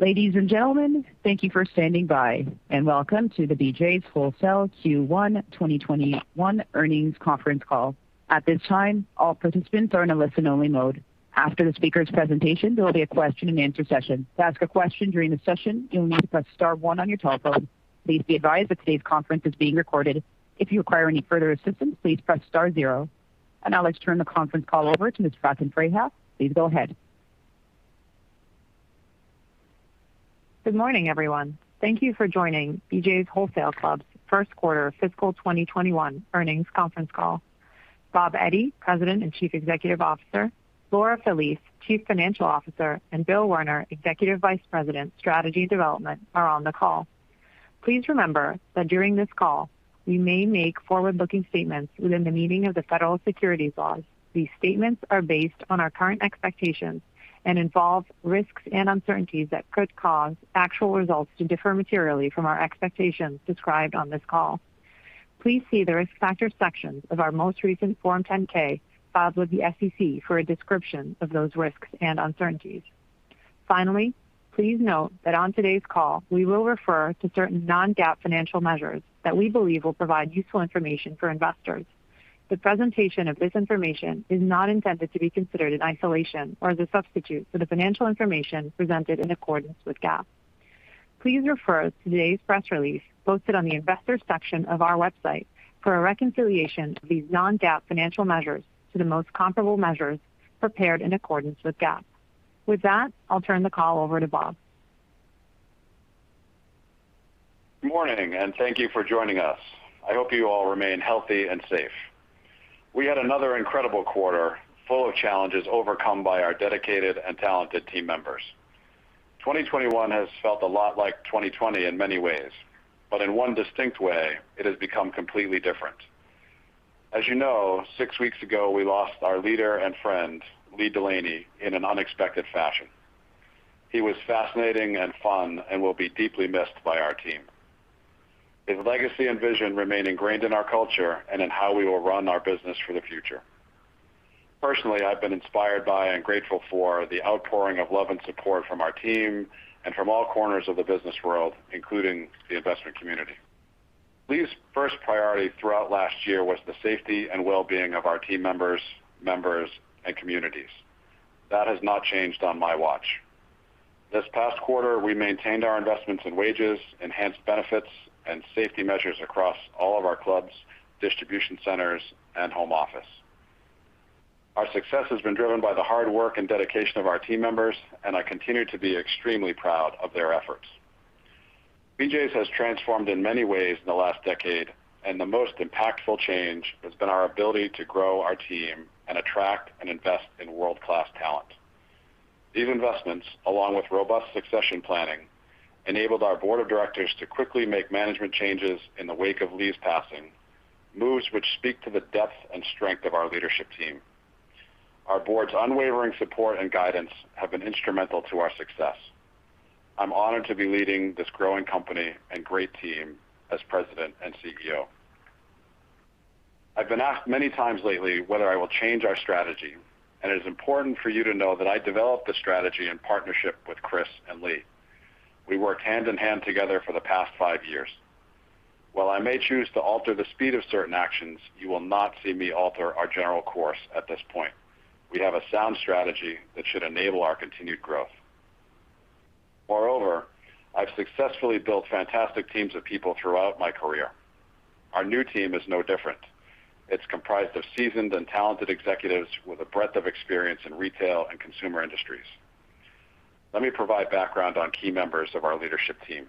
Ladies and gentlemen, thank you for standing by, and welcome to the BJ's Wholesale Club Q1 2021 earnings conference call. At this time, all participants are in a listen only mode. After the speaker's presentation, there'll be a question and answer session. To ask a question during the session, you will need to press star one on your telephone. Please be advised this conference is being recorded. If you require any further assistance, please press star zero. I'd now like to turn the conference call over to Ms. Catherine Park. Please go ahead. Good morning, everyone. Thank you for joining BJ's Wholesale Club first quarter fiscal 2021 earnings conference call. Bob Eddy, President and Chief Executive Officer, Laura Felice, Chief Financial Officer, and Bill Werner, Executive Vice President, Strategy and Development, are on the call. Please remember that during this call, we may make forward-looking statements within the meaning of the federal securities laws. These statements are based on our current expectations and involve risks and uncertainties that could cause actual results to differ materially from our expectations described on this call. Please see the Risk Factors section of our most recent Form 10-K filed with the SEC for a description of those risks and uncertainties. Finally, please note that on today's call, we will refer to certain non-GAAP financial measures that we believe will provide useful information for investors. The presentation of this information is not intended to be considered in isolation or as a substitute for the financial information presented in accordance with GAAP. Please refer to today's press release posted on the Investors section of our website for a reconciliation of these non-GAAP financial measures to the most comparable measures prepared in accordance with GAAP. With that, I'll turn the call over to Bob. Good morning, and thank you for joining us. I hope you all remain healthy and safe. We had another incredible quarter full of challenges overcome by our dedicated and talented team members. 2021 has felt a lot like 2020 many ways, but in one distinct way, it has become completely different. As you know, six weeks ago, we lost our leader and friend, Lee Delaney, in an unexpected fashion. He was fascinating and fun and will be deeply missed by our team. His legacy and vision remain ingrained in our culture and in how we will run our business for the future. Personally, I've been inspired by and grateful for the outpouring of love and support from our team and from all corners of the business world, including the investment community. Lee's first priority throughout last year was the safety and wellbeing of our team members, and communities. That has not changed on my watch. This past quarter, we maintained our investments in wages, enhanced benefits, and safety measures across all of our clubs, distribution centers, and home office. Our success has been driven by the hard work and dedication of our team members, and I continue to be extremely proud of their efforts. BJ's has transformed in many ways in the last decade, and the most impactful change has been our ability to grow our team and attract and invest in world-class talent. These investments, along with robust succession planning, enabled our board of directors to quickly make management changes in the wake of Lee's passing, moves which speak to the depth and strength of our leadership team. Our board's unwavering support and guidance have been instrumental to our success. I'm honored to be leading this growing company and great team as President and CEO. I've been asked many times lately whether I will change our strategy, and it's important for you to know that I developed the strategy in partnership with Chris and Lee. We worked hand in hand together for the past five years. While I may choose to alter the speed of certain actions, you will not see me alter our general course at this point. We have a sound strategy that should enable our continued growth. Moreover, I've successfully built fantastic teams of people throughout my career. Our new team is no different. It's comprised of seasoned and talented executives with a breadth of experience in retail and consumer industries. Let me provide background on key members of our leadership team.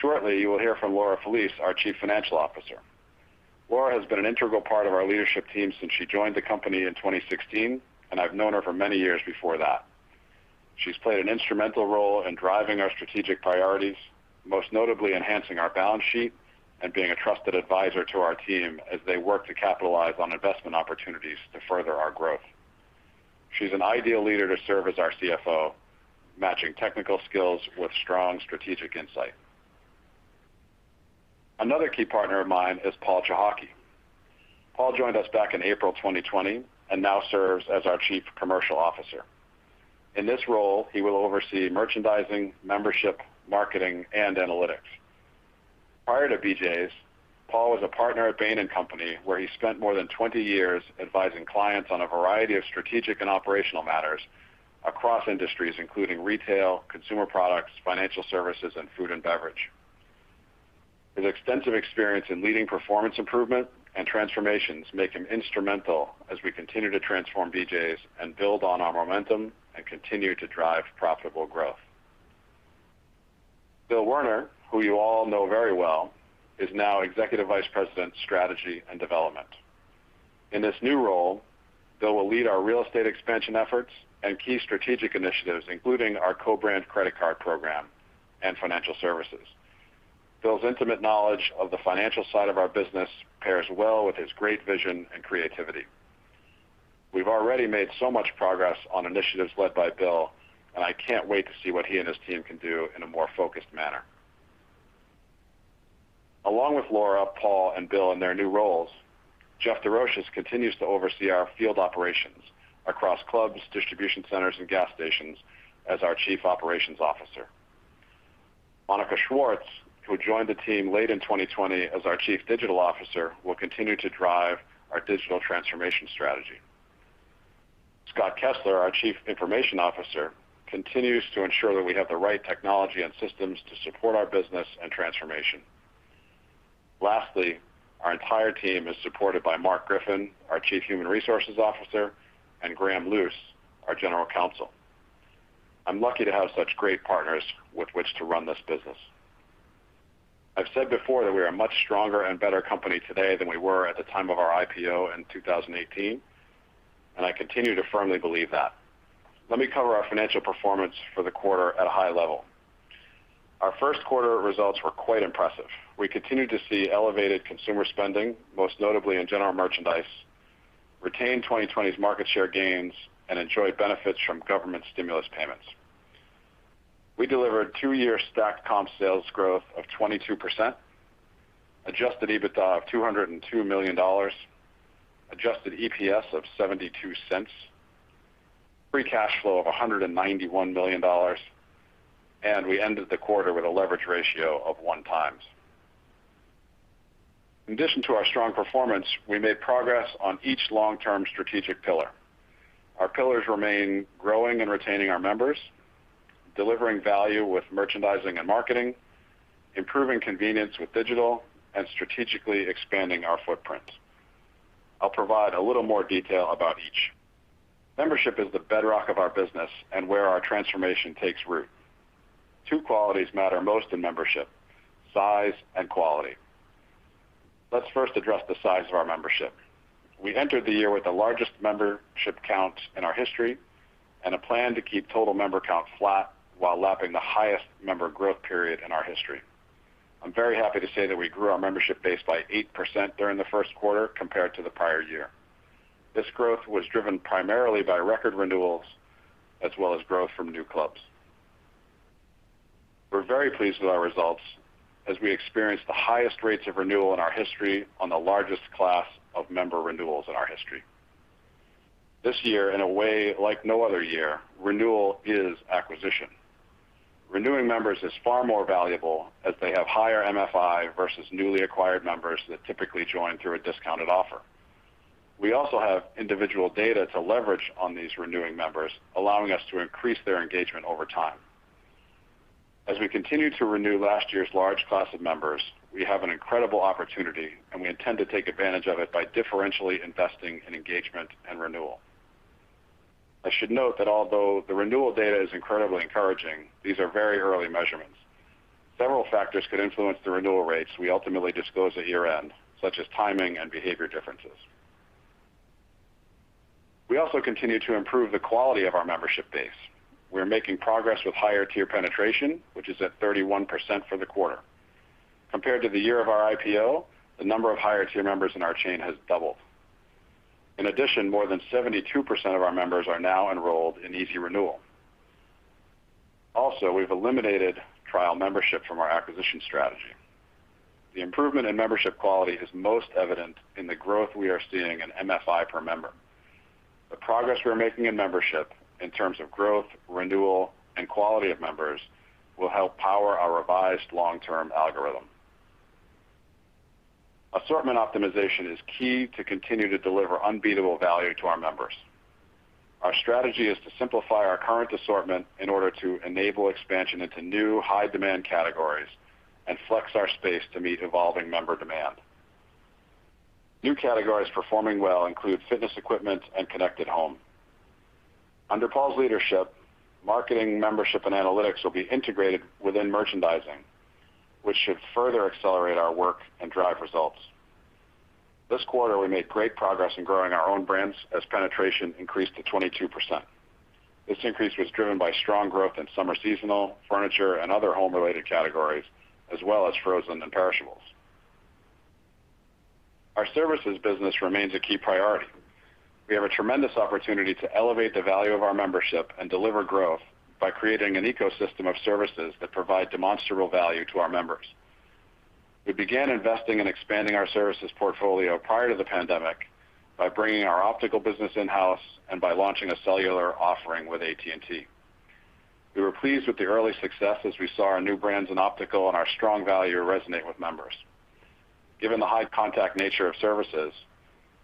Shortly, you will hear from Laura Felice, our Chief Financial Officer. Laura has been an integral part of our leadership team since she joined the company in 2016, and I've known her for many years before that. She's played an instrumental role in driving our strategic priorities, most notably enhancing our balance sheet and being a trusted advisor to our team as they work to capitalize on investment opportunities to further our growth. She's an ideal leader to serve as our CFO, matching technical skills with strong strategic insight. Another key partner of mine is Paul Cichocki. Paul joined us back in April 2020 and now serves as our Chief Commercial Officer. In this role, he will oversee merchandising, membership, marketing, and analytics. Prior to BJ's, Paul Cichocki was a partner at Bain & Company, where he spent more than 20 years advising clients on a variety of strategic and operational matters across industries, including retail, consumer products, financial services, and food and beverage. His extensive experience in leading performance improvement and transformations make him instrumental as we continue to transform BJ's and build on our momentum and continue to drive profitable growth. Bill Werner, who you all know very well, is now Executive Vice President, Strategy and Development. In this new role, Bill will lead our real estate expansion efforts and key strategic initiatives, including our co-brand credit card program and financial services. Bill's intimate knowledge of the financial side of our business pairs well with his great vision and creativity. We've already made so much progress on initiatives led by Bill, and I can't wait to see what he and his team can do in a more focused manner. Along with Laura, Paul, and Bill in their new roles, Jeff Desroches continues to oversee our field operations across clubs, distribution centers, and gas stations as our Chief Operations Officer. Monica Schwartz, who joined the team late in 2020 as our Chief Digital Officer, will continue to drive our digital transformation strategy. Scott Kessler, our Chief Information Officer, continues to ensure that we have the right technology and systems to support our business and transformation. Lastly, our entire team is supported by Mark Griffin, our Chief Human Resources Officer, and Graham Luce, our General Counsel. I'm lucky to have such great partners with which to run this business. I've said before that we are a much stronger and better company today than we were at the time of our IPO in 2018, and I continue to firmly believe that. Let me cover our financial performance for the quarter at a high level. Our first quarter results were quite impressive. We continued to see elevated consumer spending, most notably in general merchandise, retain 2020's market share gains, and enjoy benefits from government stimulus payments. We delivered two-year stack comp sales growth of 22%, adjusted EBITDA of $202 million, adjusted EPS of $0.72, free cash flow of $191 million, and we ended the quarter with a leverage ratio of 1 times. In addition to our strong performance, we made progress on each long-term strategic pillar. Our pillars remain growing and retaining our members, delivering value with merchandising and marketing, improving convenience with digital, and strategically expanding our footprint. I'll provide a little more detail about each. Membership is the bedrock of our business and where our transformation takes root. Two qualities matter most in membership, size and quality. Let's first address the size of our membership. We entered the year with the largest membership count in our history and a plan to keep total member count flat while lapping the highest member growth period in our history. I'm very happy to say that we grew our membership base by 8% during the first quarter compared to the prior year. This growth was driven primarily by record renewals, as well as growth from new clubs. We're very pleased with our results as we experienced the highest rates of renewal in our history on the largest class of member renewals in our history. This year, in a way like no other year, renewal is acquisition. Renewing members is far more valuable as they have higher MFI versus newly acquired members that typically join through a discounted offer. We also have individual data to leverage on these renewing members, allowing us to increase their engagement over time. As we continue to renew last year's large class of members, we have an incredible opportunity, and we intend to take advantage of it by differentially investing in engagement and renewal. I should note that although the renewal data is incredibly encouraging, these are very early measurements. Several factors could influence the renewal rates we ultimately disclose at year-end, such as timing and behavior differences. We also continue to improve the quality of our membership base. We are making progress with higher tier penetration, which is at 31% for the quarter. Compared to the year of our IPO, the number of higher tier members in our chain has doubled. In addition, more than 72% of our members are now enrolled in Easy Renewal. We've eliminated trial membership from our acquisition strategy. The improvement in membership quality is most evident in the growth we are seeing in MFI per member. The progress we're making in membership in terms of growth, renewal, and quality of members will help power our revised long-term algorithm. Assortment optimization is key to continue to deliver unbeatable value to our members. Our strategy is to simplify our current assortment in order to enable expansion into new high-demand categories and flex our space to meet evolving member demand. New categories performing well include fitness equipment and connected home. Under Paul's leadership, marketing, membership, and analytics will be integrated within merchandising, which should further accelerate our work and drive results. This quarter, we made great progress in growing our own brands as penetration increased to 22%. This increase was driven by strong growth in summer seasonal, furniture, and other home-related categories, as well as frozen and perishables. Our services business remains a key priority. We have a tremendous opportunity to elevate the value of our membership and deliver growth by creating an ecosystem of services that provide demonstrable value to our members. We began investing in expanding our services portfolio prior to the pandemic by bringing our optical business in-house and by launching a cellular offering with AT&T. We were pleased with the early success as we saw our new brands in optical and our strong value resonate with members. Given the high contact nature of services,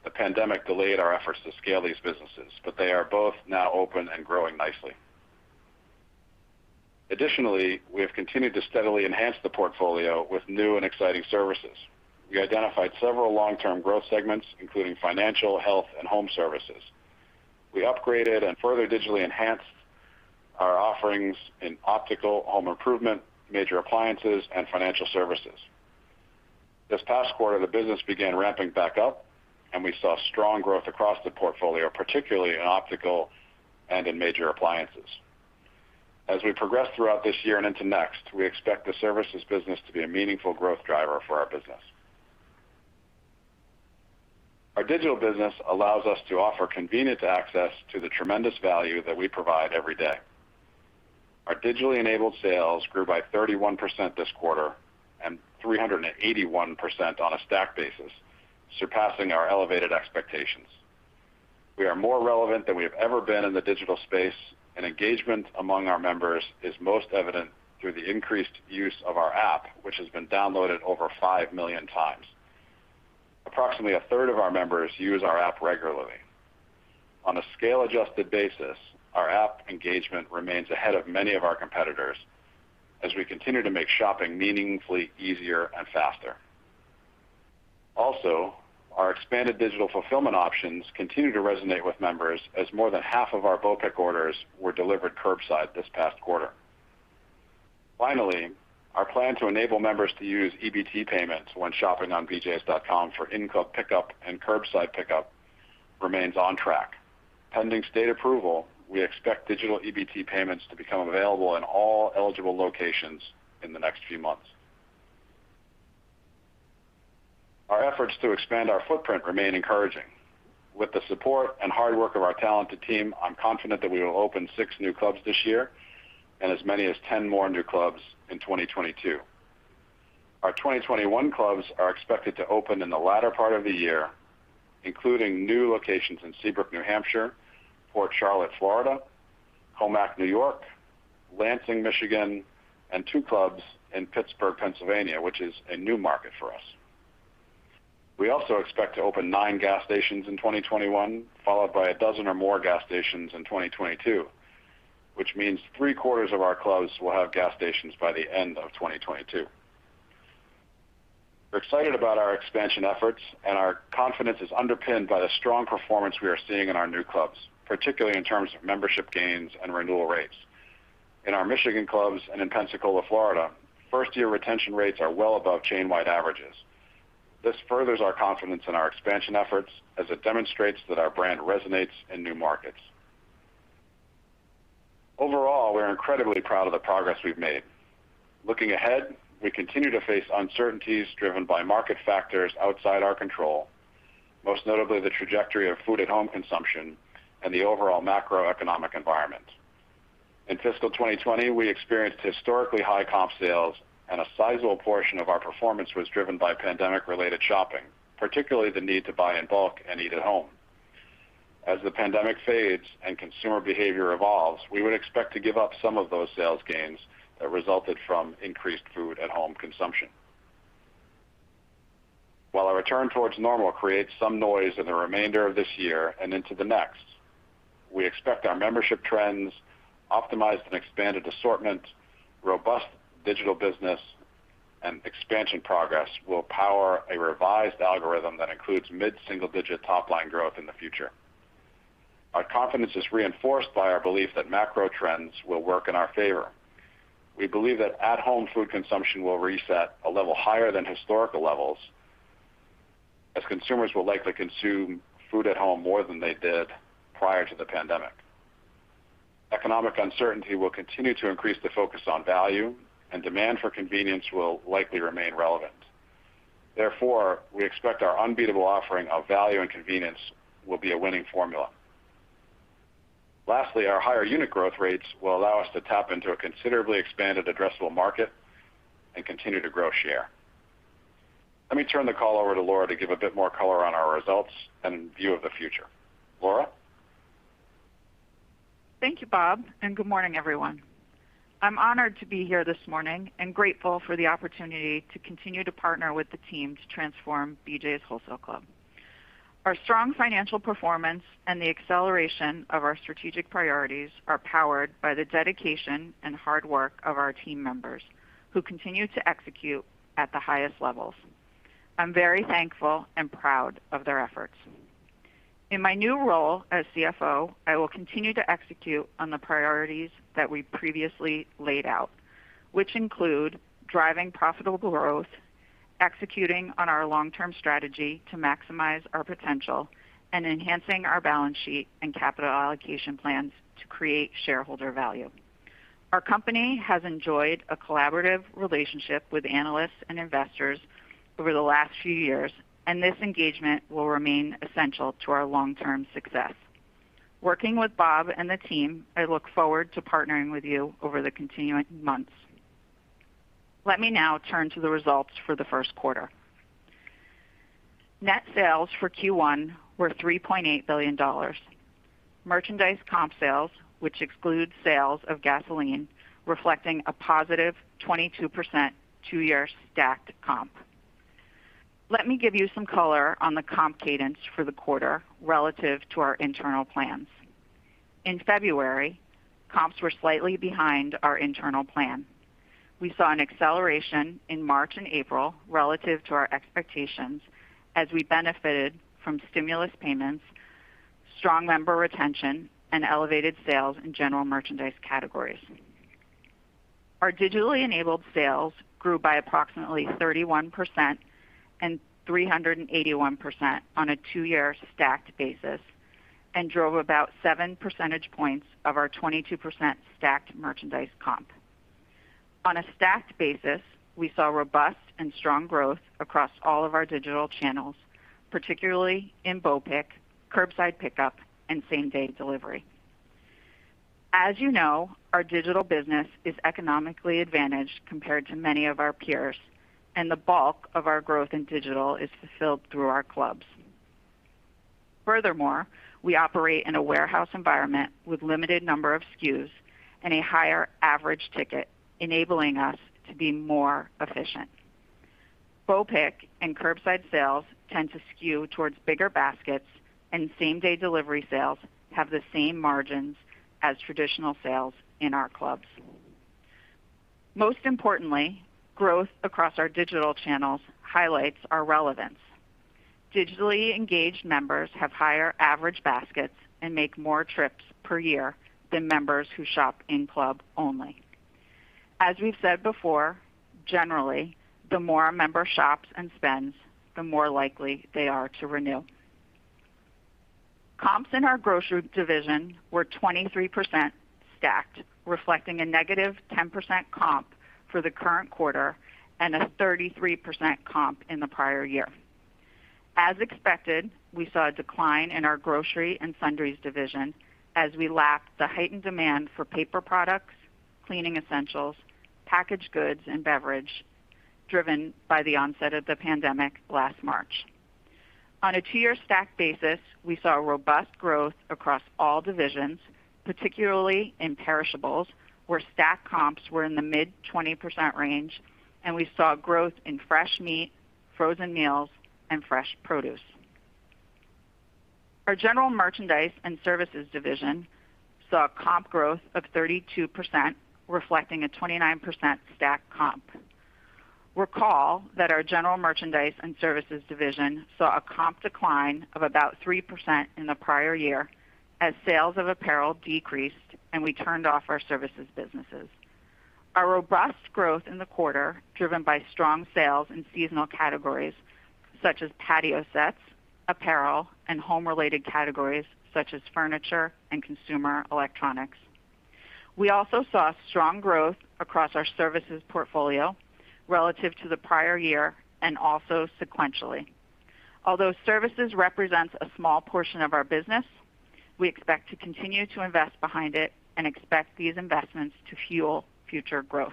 the pandemic delayed our efforts to scale these businesses, but they are both now open and growing nicely. Additionally, we have continued to steadily enhance the portfolio with new and exciting services. We identified several long-term growth segments, including financial, health, and home services. We upgraded and further digitally enhanced our offerings in optical, home improvement, major appliances, and financial services. This past quarter, the business began ramping back up, and we saw strong growth across the portfolio, particularly in optical and in major appliances. As we progress throughout this year and into next, we expect the services business to be a meaningful growth driver for our business. Our digital business allows us to offer convenient access to the tremendous value that we provide every day. Our digitally enabled sales grew by 31% this quarter and 381% on a stack basis, surpassing our elevated expectations. We are more relevant than we have ever been in the digital space, and engagement among our members is most evident through the increased use of our app, which has been downloaded over 5 million times. Approximately a third of our members use our app regularly. On a scale-adjusted basis, our app engagement remains ahead of many of our competitors as we continue to make shopping meaningfully easier and faster. Our expanded digital fulfillment options continue to resonate with members as more than half of our BOPIC orders were delivered curbside this past quarter. Our plan to enable members to use EBT payments when shopping on bjs.com for in-club pickup and curbside pickup remains on track. Pending state approval, we expect digital EBT payments to become available in all eligible locations in the next few months. Our efforts to expand our footprint remain encouraging. With the support and hard work of our talented team, I'm confident that we will open six new clubs this year and as many as 10 more new clubs in 2022. Our 2021 clubs are expected to open in the latter part of the year, including new locations in Seabrook, New Hampshire, Port Charlotte, Florida, Commack, New York, Lansing, Michigan and two clubs in Pittsburgh, Pennsylvania, which is a new market for us. We also expect to open nine gas stations in 2021, followed by a dozen or more gas stations in 2022, which means three-quarters of our clubs will have gas stations by the end of 2022. We're excited about our expansion efforts, and our confidence is underpinned by the strong performance we are seeing in our new clubs, particularly in terms of membership gains and renewal rates. In our Michigan clubs and in Pensacola, Florida, first-year retention rates are well above chain-wide averages. This furthers our confidence in our expansion efforts as it demonstrates that our brand resonates in new markets. Overall, we are incredibly proud of the progress we've made. Looking ahead, we continue to face uncertainties driven by market factors outside our control, most notably the trajectory of food-at-home consumption and the overall macroeconomic environment. In fiscal 2020, we experienced historically high comp sales, and a sizable portion of our performance was driven by pandemic-related shopping, particularly the need to buy in bulk and eat at home. As the pandemic fades and consumer behavior evolves, we would expect to give up some of those sales gains that resulted from increased food-at-home consumption. While our return towards normal creates some noise in the remainder of this year and into the next, we expect our membership trends, optimized and expanded assortment, robust digital business, and expansion progress will power a revised algorithm that includes mid-single-digit top-line growth in the future. Our confidence is reinforced by our belief that macro trends will work in our favor. We believe that at-home food consumption will reset a level higher than historical levels, as consumers will likely consume food at home more than they did prior to the pandemic. Economic uncertainty will continue to increase the focus on value, and demand for convenience will likely remain relevant. Therefore, we expect our unbeatable offering of value and convenience will be a winning formula. Lastly, our higher unit growth rates will allow us to tap into a considerably expanded addressable market and continue to grow share. Let me turn the call over to Laura to give a bit more color on our results and view of the future. Laura? Thank you, Bob, and good morning, everyone. I'm honored to be here this morning and grateful for the opportunity to continue to partner with the team to transform BJ's Wholesale Club. Our strong financial performance and the acceleration of our strategic priorities are powered by the dedication and hard work of our team members who continue to execute at the highest levels. I'm very thankful and proud of their efforts. In my new role as CFO, I will continue to execute on the priorities that we previously laid out, which include driving profitable growth, executing on our long-term strategy to maximize our potential, and enhancing our balance sheet and capital allocation plans to create shareholder value. Our company has enjoyed a collaborative relationship with analysts and investors over the last few years, and this engagement will remain essential to our long-term success. Working with Bob Eddy and the team, I look forward to partnering with you over the continuing months. Let me now turn to the results for the first quarter. Net sales for Q1 were $3.8 billion. Merchandise comp sales, which excludes sales of gasoline, reflecting a positive 22% two-year stacked comp. Let me give you some color on the comp cadence for the quarter relative to our internal plans. In February, comps were slightly behind our internal plan. We saw an acceleration in March and April relative to our expectations as we benefited from stimulus payments, strong member retention, and elevated sales in general merchandise categories. Our digitally enabled sales grew by approximately 31% and 381% on a two-year stacked basis and drove about seven percentage points of our 22% stacked merchandise comp. On a stacked basis, we saw robust and strong growth across all of our digital channels, particularly in BOPIC, curbside pickup, and same-day delivery. As you know, our digital business is economically advantaged compared to many of our peers, and the bulk of our growth in digital is fulfilled through our clubs. Furthermore, we operate in a warehouse environment with limited number of SKUs and a higher average ticket, enabling us to be more efficient. BOPIC and curbside sales tend to skew towards bigger baskets, and same-day delivery sales have the same margins as traditional sales in our clubs. Most importantly, growth across our digital channels highlights our relevance. Digitally engaged members have higher average baskets and make more trips per year than members who shop in club only. As we've said before, generally, the more a member shops and spends, the more likely they are to renew. Comps in our grocery division were 23% stacked, reflecting a negative 10% comp for the current quarter and a 33% comp in the prior year. As expected, we saw a decline in our grocery and sundries division as we lacked the heightened demand for paper products, cleaning essentials, packaged goods, and beverage driven by the onset of the pandemic last March. On a two-year stacked basis, we saw robust growth across all divisions, particularly in perishables, where stacked comps were in the mid 20% range, and we saw growth in fresh meat, frozen meals, and fresh produce. Our general merchandise and services division saw a comp growth of 32%, reflecting a 29% stacked comp. Recall that our general merchandise and services division saw a comp decline of about 3% in the prior year as sales of apparel decreased and we turned off our services businesses. Our robust growth in the quarter, driven by strong sales in seasonal categories such as patio sets, apparel, and home-related categories such as furniture and consumer electronics. We also saw strong growth across our services portfolio relative to the prior year and also sequentially. Although services represents a small portion of our business, we expect to continue to invest behind it and expect these investments to fuel future growth.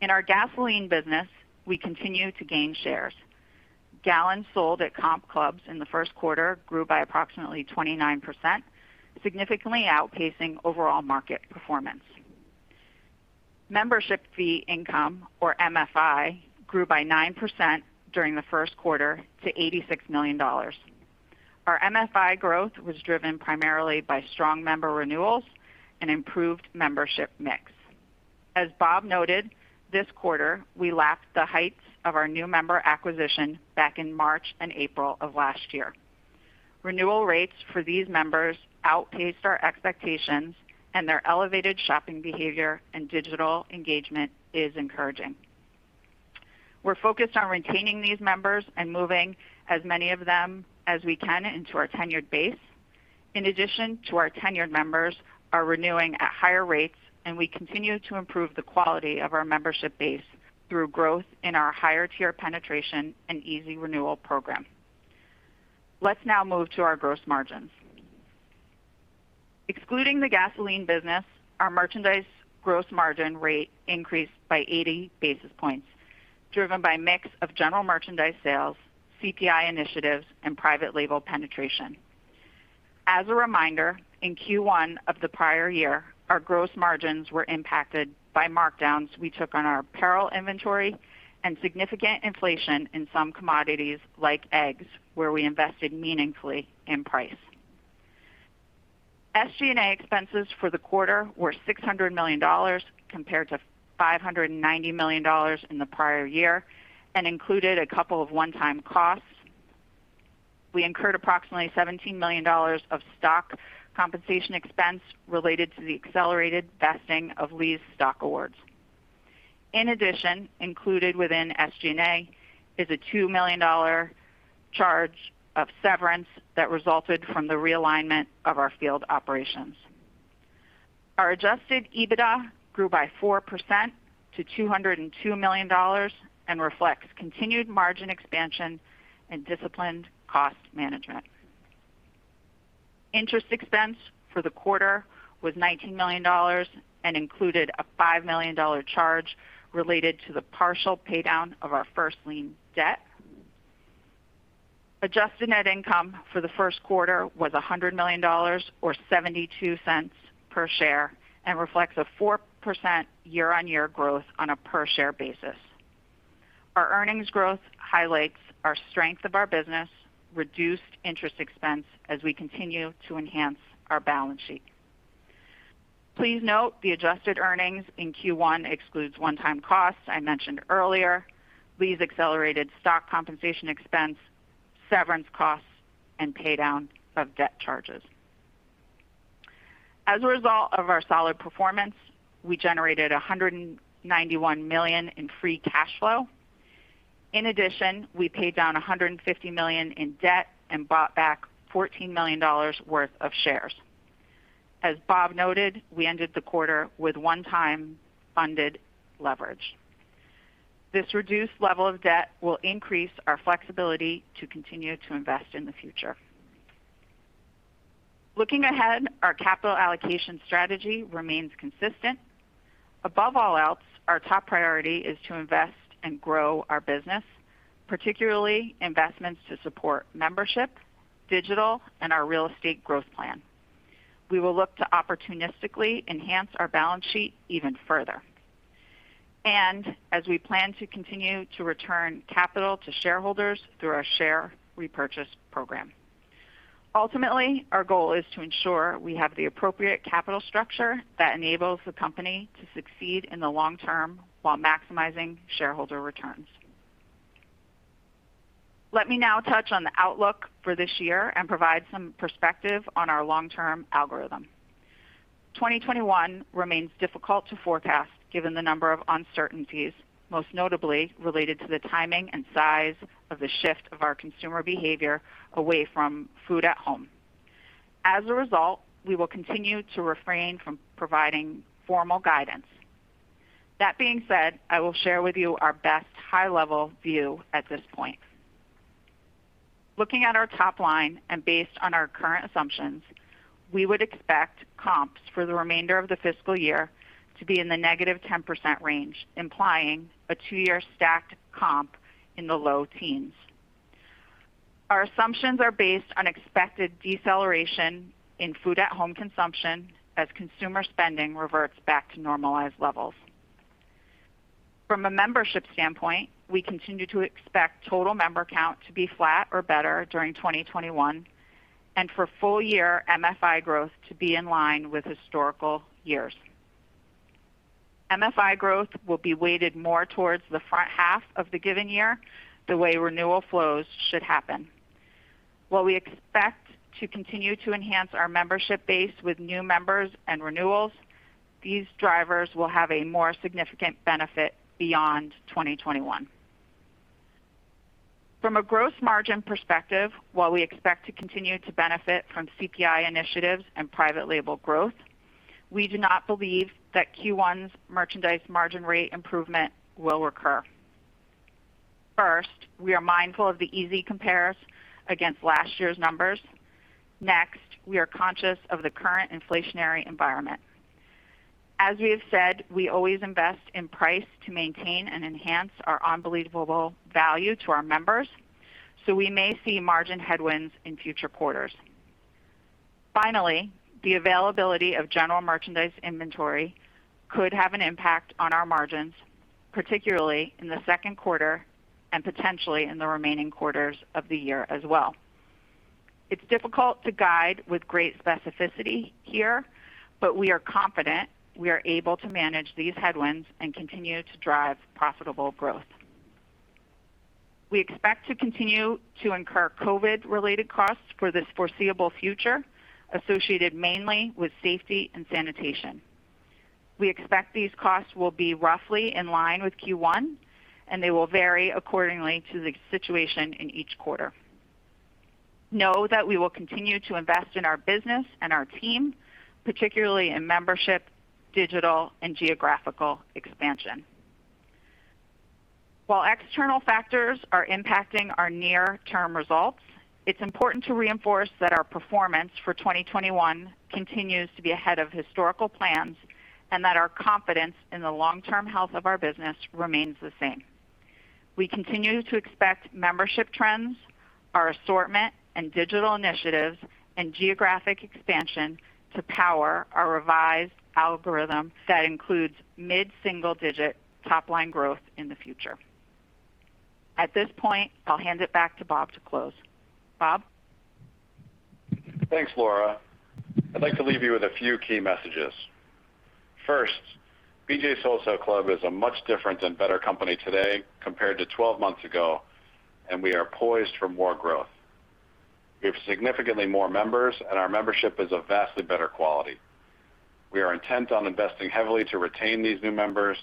In our gasoline business, we continue to gain shares. Gallons sold at comp clubs in the first quarter grew by approximately 29%, significantly outpacing overall market performance. Membership fee income, or MFI, grew by 9% during the first quarter to $86 million. Our MFI growth was driven primarily by strong member renewals and improved membership mix. As Bob noted, this quarter, we lacked the heights of our new member acquisition back in March and April of last year. Renewal rates for these members outpaced our expectations, and their elevated shopping behavior and digital engagement is encouraging. We're focused on retaining these members and moving as many of them as we can into our tenured base. In addition to our tenured members are renewing at higher rates, and we continue to improve the quality of our membership base through growth in our higher tier penetration and Easy Renewal program. Let's now move to our gross margins. Excluding the gasoline business, our merchandise gross margin rate increased by 80 basis points, driven by a mix of general merchandise sales, CPI initiatives, and private label penetration. As a reminder, in Q1 of the prior year, our gross margins were impacted by markdowns we took on our apparel inventory and significant inflation in some commodities like eggs, where we invested meaningfully in price. SG&A expenses for the quarter were $600 million, compared to $590 million in the prior year, and included a couple of 1x costs. We incurred approximately $17 million of stock compensation expense related to the accelerated vesting of Lee's stock awards. In addition, included within SG&A is a $2 million charge of severance that resulted from the realignment of our field operations. Our adjusted EBITDA grew by 4% to $202 million and reflects continued margin expansion and disciplined cost management. Interest expense for the quarter was $19 million and included a $5 million charge related to the partial paydown of our first lien debt. Adjusted net income for the first quarter was $100 million or $0.72 per share and reflects a 4% year-on-year growth on a per share basis. Our earnings growth highlights our strength of our business, reduced interest expense as we continue to enhance our balance sheet. Please note the adjusted earnings in Q1 excludes 1x costs I mentioned earlier, Lee's accelerated stock compensation expense, severance costs, and pay down of debt charges. As a result of our solid performance, we generated $191 million in free cash flow. In addition, we paid down $150 million in debt and bought back $14 million worth of shares. As Bob noted, we ended the quarter with 1x funded leverage. This reduced level of debt will increase our flexibility to continue to invest in the future. Looking ahead, our capital allocation strategy remains consistent. Above all else, our top priority is to invest and grow our business, particularly investments to support membership, digital, and our real estate growth plan. We will look to opportunistically enhance our balance sheet even further, and as we plan to continue to return capital to shareholders through our share repurchase program. Ultimately, our goal is to ensure we have the appropriate capital structure that enables the company to succeed in the long term while maximizing shareholder returns. Let me now touch on the outlook for this year and provide some perspective on our long-term algorithm. 2021 remains difficult to forecast, given the number of uncertainties, most notably related to the timing and size of the shift of our consumer behavior away from food at home. As a result, we will continue to refrain from providing formal guidance. That being said, I will share with you our best high-level view at this point. Looking at our top line and based on our current assumptions, we would expect comps for the remainder of the fiscal year to be in the negative 10% range, implying a two-year stacked comp in the low teens. Our assumptions are based on expected deceleration in food-at-home consumption as consumer spending reverts back to normalized levels. From a membership standpoint, we continue to expect total member count to be flat or better during 2021, and for full year MFI growth to be in line with historical years. MFI growth will be weighted more towards the front half of the given year, the way renewal flows should happen. While we expect to continue to enhance our membership base with new members and renewals, these drivers will have a more significant benefit beyond 2021. From a gross margin perspective, while we expect to continue to benefit from CPI initiatives and private label growth, we do not believe that Q1's merchandise margin rate improvement will recur. First, we are mindful of the easy compares against last year's numbers. Next, we are conscious of the current inflationary environment. As we have said, we always invest in price to maintain and enhance our unbelievable value to our members, so we may see margin headwinds in future quarters. Finally, the availability of general merchandise inventory could have an impact on our margins, particularly in the second quarter and potentially in the remaining quarters of the year as well. It's difficult to guide with great specificity here, but we are confident we are able to manage these headwinds and continue to drive profitable growth. We expect to continue to incur COVID-related costs for the foreseeable future, associated mainly with safety and sanitation. We expect these costs will be roughly in line with Q1, and they will vary accordingly to the situation in each quarter. Know that we will continue to invest in our business and our team, particularly in membership, digital, and geographical expansion. While external factors are impacting our near-term results, it's important to reinforce that our performance for 2021 continues to be ahead of historical plans, and that our confidence in the long-term health of our business remains the same. We continue to expect membership trends, our assortment and digital initiatives, and geographic expansion to power our revised algorithm that includes mid-single-digit top-line growth in the future. At this point, I'll hand it back to Bob to close. Bob? Thanks, Laura. I'd like to leave you with a few key messages. First, BJ's Wholesale Club is a much different and better company today compared to 12 months ago, and we are poised for more growth. We have significantly more members, and our membership is of vastly better quality. We are intent on investing heavily to retain these new members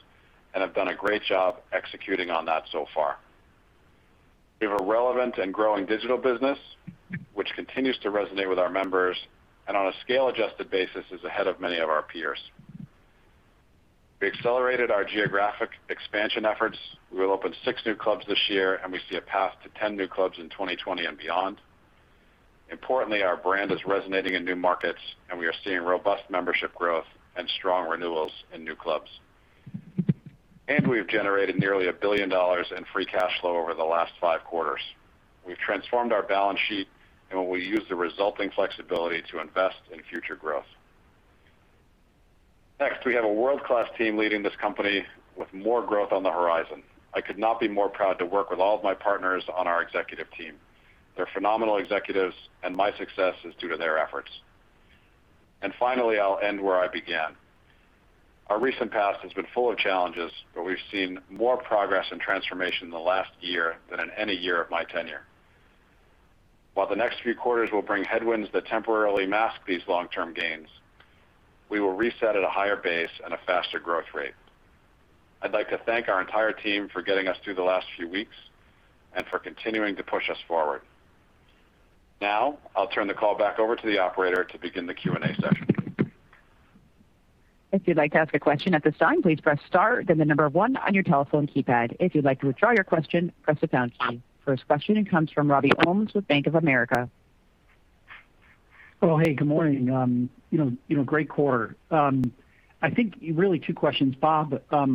and have done a great job executing on that so far. We have a relevant and growing digital business, which continues to resonate with our members, and on a scale-adjusted basis is ahead of many of our peers. We accelerated our geographic expansion efforts. We will open six new clubs this year, and we see a path to 10 new clubs in 2020 and beyond. Importantly, our brand is resonating in new markets, and we are seeing robust membership growth and strong renewals in new clubs. We've generated nearly $1 billion in free cash flow over the last five quarters. We've transformed our balance sheet, and we will use the resulting flexibility to invest in future growth. Next, we have a world-class team leading this company with more growth on the horizon. I could not be more proud to work with all of my partners on our executive team. They're phenomenal executives, and my success is due to their efforts. Finally, I'll end where I began. Our recent past has been full of challenges, but we've seen more progress and transformation in the last year than in any year of my tenure. While the next few quarters will bring headwinds that temporarily mask these long-term gains, we will reset at a higher base and a faster growth rate. I'd like to thank our entire team for getting us through the last few weeks and for continuing to push us forward. Now, I'll turn the call back over to the operator to begin the Q&A session. First question comes from Robert Ohmes with Bank of America. Oh, hey, good morning. Great quarter. I think, really two questions. Bob, in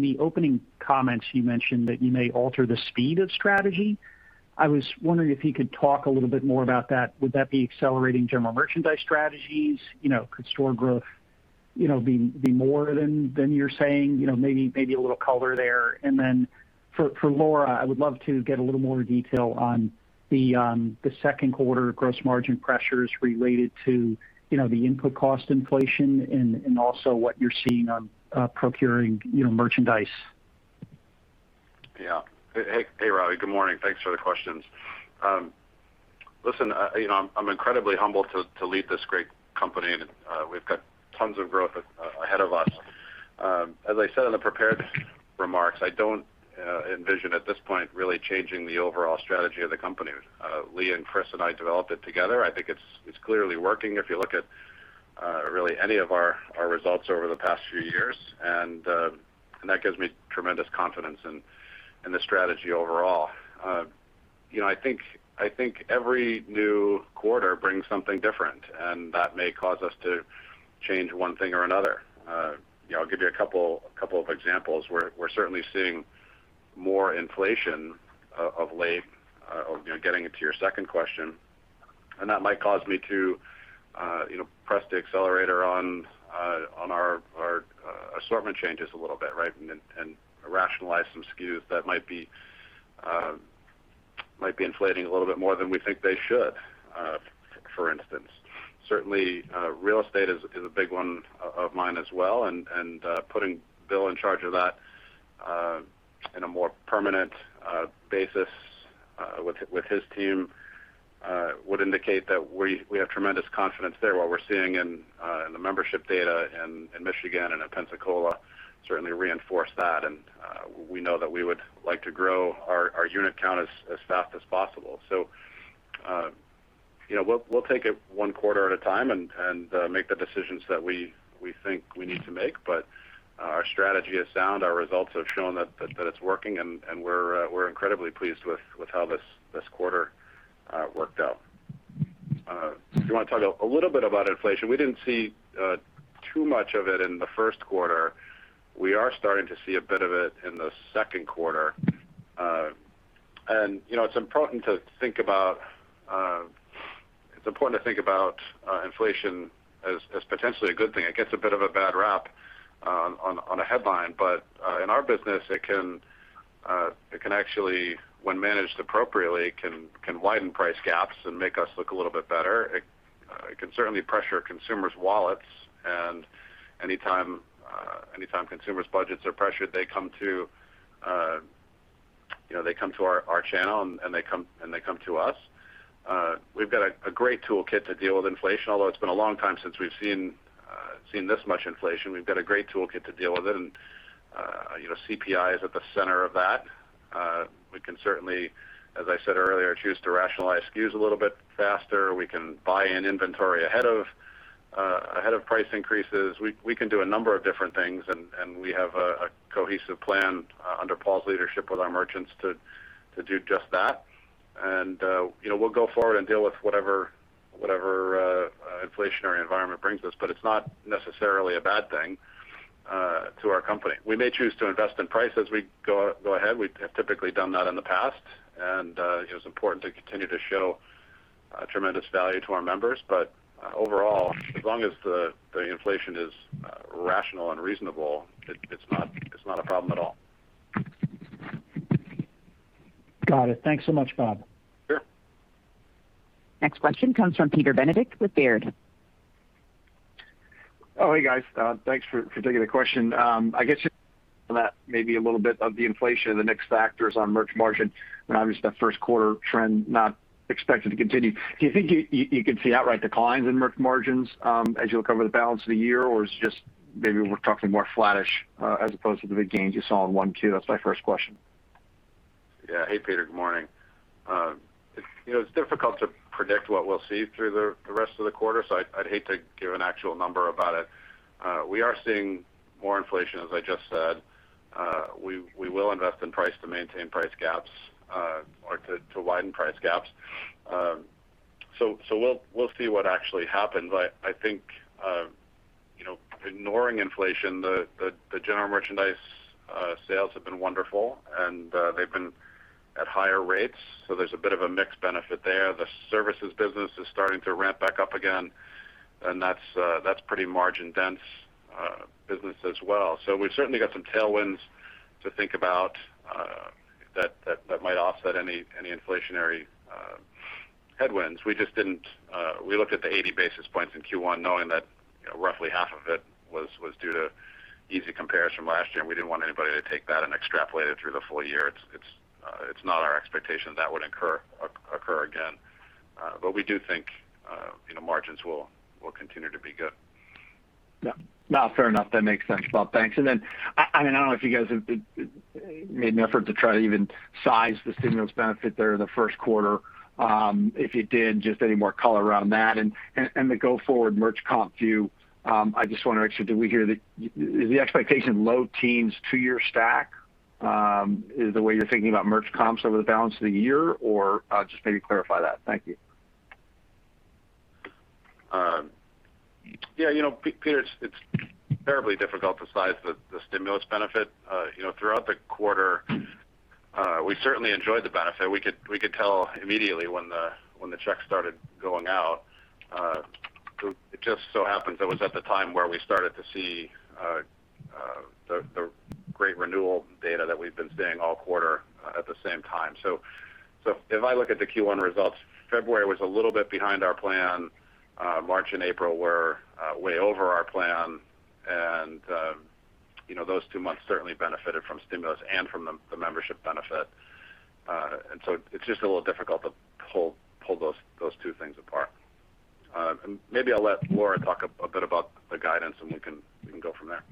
the opening comments, you mentioned that you may alter the speed of strategy. I was wondering if you could talk a little bit more about that. Would that be accelerating general merchandise strategies? Could store growth be more than you're saying? Maybe a little color there. Then for Laura, I would love to get a little more detail on the second quarter gross margin pressures related to the input cost inflation and also what you're seeing on procuring merchandise. Yeah. Hey, Robbie. Good morning. Thanks for the questions. Listen, I'm incredibly humbled to lead this great company. We've got tons of growth ahead of us. As I said in the prepared remarks, I don't envision at this point really changing the overall strategy of the company. Lee and Chris and I developed it together. I think it's clearly working, if you look at really any of our results over the past few years. That gives me tremendous confidence in the strategy overall. I think every new quarter brings something different. That may cause us to change one thing or another. I'll give you a couple of examples. We're certainly seeing more inflation of late, getting into your second question. That might cause me to press the accelerator on our assortment changes a little bit, right? Rationalize some SKUs that might be inflating a little bit more than we think they should, for instance. Certainly, real estate is a big one of mine as well, and putting Bill in charge of that in a more permanent basis with his team would indicate that we have tremendous confidence there. What we're seeing in the membership data in Michigan and in Pensacola certainly reinforce that. We know that we would like to grow our unit count as fast as possible. We'll take it one quarter at a time and make the decisions that we think we need to make, but our strategy is sound. Our results have shown that it's working. We're incredibly pleased with how this quarter worked out. If you want to talk a little bit about inflation, we didn't see too much of it in the first quarter. We are starting to see a bit of it in the second quarter. It's important to think about inflation as potentially a good thing. It gets a bit of a bad rap on a headline, but in our business, it can actually, when managed appropriately, can widen price gaps and make us look a little bit better. It can certainly pressure consumers' wallets, and any time consumers' budgets are pressured, they come to our channel and they come to us. We've got a great toolkit to deal with inflation, although it's been a long time since we've seen this much inflation. We've got a great toolkit to deal with it, and CPI is at the center of that. We can certainly, as I said earlier, choose to rationalize SKUs a little bit faster. We can buy in inventory ahead of price increases. We can do a number of different things. We have a cohesive plan under Paul's leadership with our merchants to do just that. We'll go forward and deal with whatever inflationary environment brings us, but it's not necessarily a bad thing to our company. We may choose to invest in price as we go ahead. We have typically done that in the past, and it's important to continue to show tremendous value to our members. Overall, as long as the inflation is rational and reasonable, it's not a problem at all. Got it. Thanks so much, Bob. Sure. Next question comes from Peter Benedict with Baird. Oh, hey, guys. Thanks for taking the question. I guess maybe a little bit of the inflation and the mixed factors on merch margin, and obviously that first quarter trend not expected to continue. Do you think you could see outright declines in merch margins as you look over the balance of the year, or is it just maybe we're talking more flattish as opposed to the big gains you saw in one Q? That's my first question. Yeah. Hey, Peter. Good morning. It's difficult to predict what we'll see through the rest of the quarter, so I'd hate to give an actual number about it. We are seeing more inflation, as I just said. We will invest in price to maintain price gaps or to widen price gaps. We'll see what actually happens. I think, ignoring inflation, the general merchandise sales have been wonderful, and they've been at higher rates, so there's a bit of a mixed benefit there. The services business is starting to ramp back up again, and that's pretty margin-dense business as well. We've certainly got some tailwinds to think about that might offset any inflationary headwinds. We looked at the 80 basis points in Q1 knowing that roughly half of it was due to easy comparison last year, and we didn't want anybody to take that and extrapolate it through the full year. It's not our expectation that would occur again. We do think margins will continue to be good. No, fair enough. That makes sense, Bob. Thanks. I don't know if you guys have made an effort to try to even size the stimulus benefit there in the first quarter. If you did, just any more color around that, and the go forward merch comp view, I just want to make sure, did we hear that is the expectation low teens two-year stack, is the way you're thinking about merch comps over the balance of the year, or just maybe clarify that? Thank you. Peter, it's terribly difficult to size the stimulus benefit. Throughout the quarter, we certainly enjoyed the benefit. We could tell immediately when the checks started going out. It just so happens it was at the time where we started to see the great renewal data that we've been seeing all quarter at the same time. If I look at the Q1 results, February was a little bit behind our plan, March and April were way over our plan, and those two months certainly benefited from stimulus and from the membership benefit. It's just a little difficult to pull those two things apart. Maybe I'll let Laura talk a bit about the guidance, and we can go from there.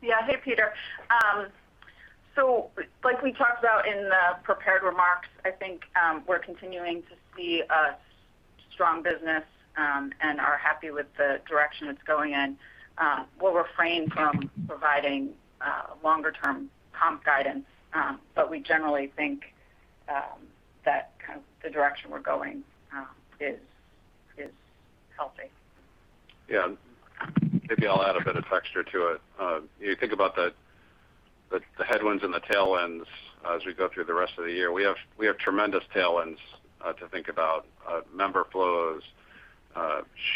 Hey, Peter. like we talked about in the prepared remarks, I think we're continuing to see a strong business, and are happy with the direction it's going in. We'll refrain from providing longer term comp guidance. we generally think that kind of the direction we're going is healthy. Yeah. Maybe I'll add a bit of texture to it. You think about the headwinds and the tailwinds as we go through the rest of the year. We have tremendous tailwinds to think about, member flows,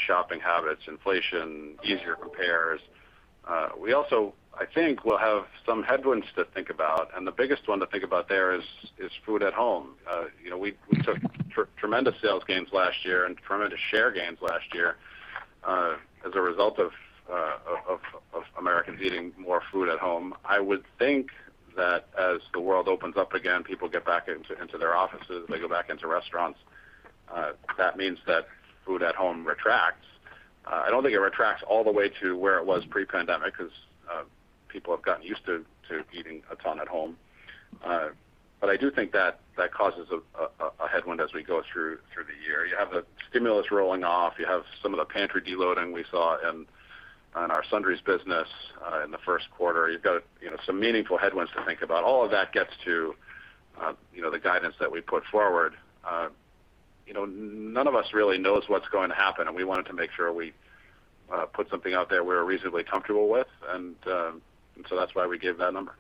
shopping habits, inflation, easier compares. We also, I think, will have some headwinds to think about, and the biggest one to think about there is food at home. We took tremendous sales gains last year and tremendous share gains last year, as a result of Americans eating more food at home. I would think that as the world opens up again, people get back into their offices, and they go back into restaurants. That means that food at home retracts. I don't think it retracts all the way to where it was pre-pandemic, because people have gotten used to eating a ton at home. I do think that causes a headwind as we go through the year. You have the stimulus rolling off, you have some of the pantry de-loading we saw in our sundries business in the first quarter. You've got some meaningful headwinds to think about. All of that gets to the guidance that we put forward. None of us really knows what's going to happen, and we wanted to make sure we put something out there we were reasonably comfortable with. That's why we gave that number.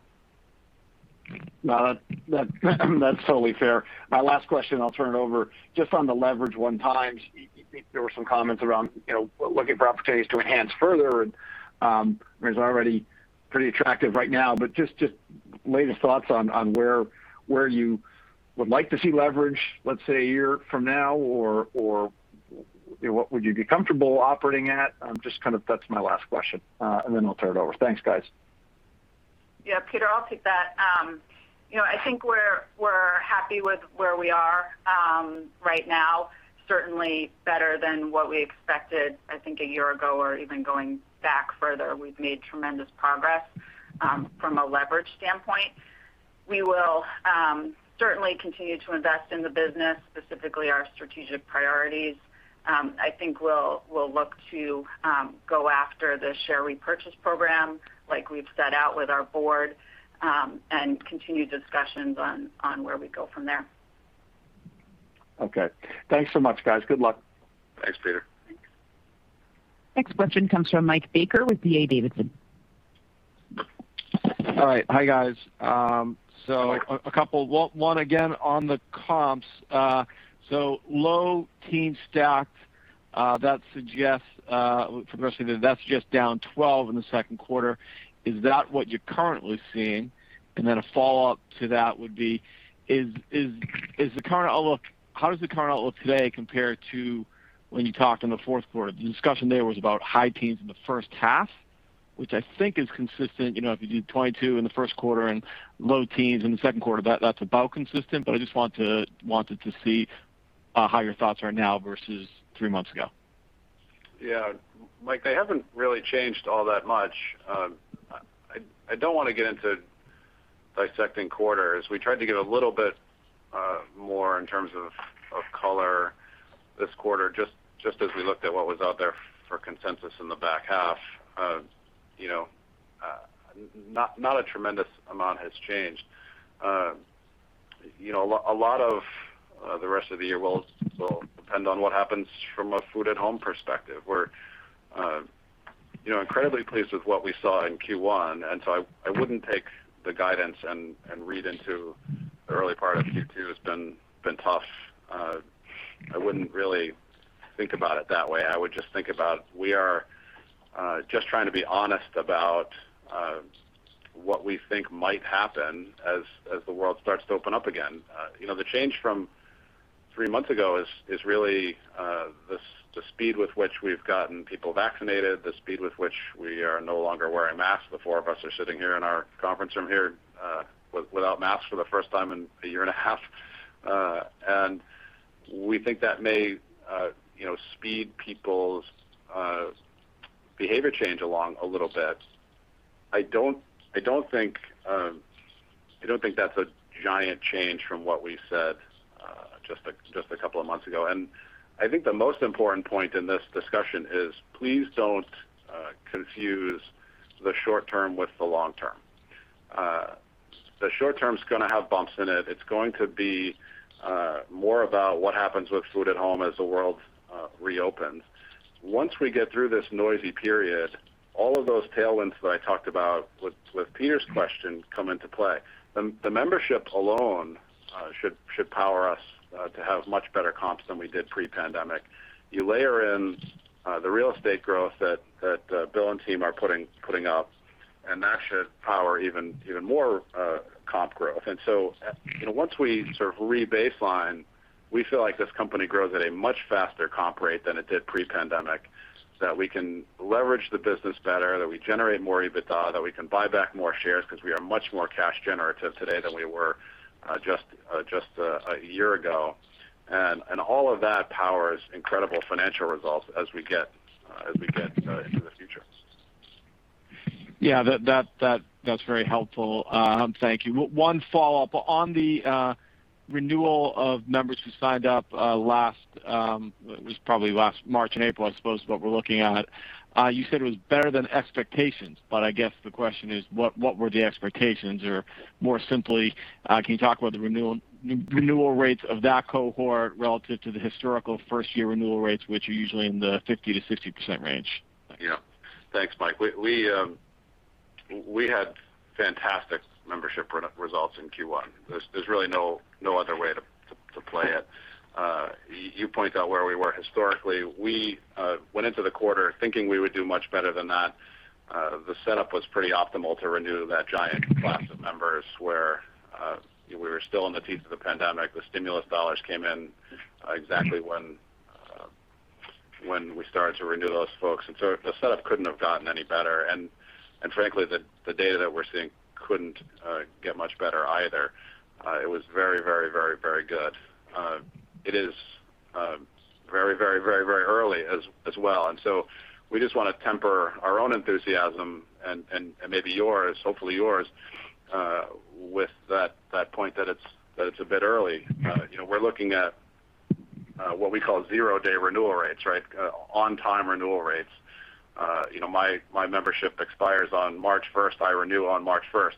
No, that's totally fair. My last question, I'll turn it over. Just on the leverage 1x, there were some comments around looking for opportunities to enhance further, and it's already pretty attractive right now. But just latest thoughts on where you would like to see leverage, let's say, a year from now or what would you be comfortable operating at? Just kind of that's my last question, and then I'll turn it over. Thanks, guys. Yeah, Peter, I'll take that. I think we're happy with where we are right now. Certainly better than what we expected, I think a year ago or even going back further. We've made tremendous progress from a leverage standpoint. We will certainly continue to invest in the business, specifically our strategic priorities. I think we'll look to go after the share repurchase program, like we've set out with our board. Continue discussions on where we go from there. Okay. Thanks so much, guys. Good luck. Thanks, Peter. Next question comes from Michael Baker with D.A. Davidson. All right. Hi, guys. A couple. One again on the comps. Low teen stacks, that suggests progressively that's just down 12 in the second quarter. Is that what you're currently seeing? A follow-up to that would be, how does the current outlook today compare to when you talked in the fourth quarter? The discussion there was about high teens in the first half, which I think is consistent. If you do 22 in the first quarter and low teens in the second quarter, that's about consistent, but I just wanted to see how your thoughts are now versus three months ago. Yeah. Michael, they haven't really changed all that much. I don't want to get into dissecting quarters. We tried to give a little bit more in terms of color this quarter, just as we looked at what was out there for consensus in the back half. Not a tremendous amount has changed. A lot of the rest of the year will depend on what happens from a food at home perspective. We're incredibly pleased with what we saw in Q1. I wouldn't take the guidance and read into the early part of Q2 has been tough. I wouldn't really think about it that way. I would just think about we are just trying to be honest about what we think might happen as the world starts to open up again. The change from three months ago is really the speed with which we've gotten people vaccinated, the speed with which we are no longer wearing masks. The four of us are sitting here in our conference room here without masks for the first time in a year and a half. We think that may speed people's behavior change along a little bit. I don't think that's a giant change from what we said just a couple of months ago. I think the most important point in this discussion is please don't confuse the short term with the long term. The short term is going to have bumps in it. It's going to be more about what happens with food at home as the world reopens. Once we get through this noisy period, all of those tailwinds that I talked about with Peter's question come into play. The membership alone should power us to have much better comps than we did pre-pandemic. You layer in the real estate growth that Bill Werner and team are putting up, that should power even more comp growth. Once we sort of re-baseline, we feel like this company grows at a much faster comp rate than it did pre-pandemic, so that we can leverage the business better, that we generate more EBITDA, that we can buy back more shares because we are much more cash generative today than we were just a year ago. All of that powers incredible financial results as we get into the future. Yeah. That's very helpful. Thank you. One follow-up. On the renewal of members who signed up last, it was probably last March and April, I suppose, is what we're looking at. You said it was better than expectations, but I guess the question is, what were the expectations? More simply, can you talk about the renewal rates of that cohort relative to the historical first-year renewal rates, which are usually in the 50%-60% range? Yeah. Thanks, Mike. We had fantastic membership results in Q1. There's really no other way to play it. You point out where we were historically. We went into the quarter thinking we would do much better than that. The setup was pretty optimal to renew that giant class of members, where we were still in the teeth of the pandemic. The stimulus dollars came in exactly when we started to renew those folks. The setup couldn't have gotten any better. Frankly, the data that we're seeing couldn't get much better either. It was very good. It is very early as well. We just want to temper our own enthusiasm and maybe yours, hopefully yours, with that point that it's a bit early. We're looking at what we call zero-day renewal rates. On-time renewal rates. My membership expires on March 1st. I renew on March 1st.